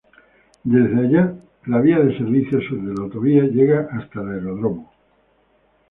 Desde allí, la vía de servicio sur de la autovía llega hasta el aeródromo.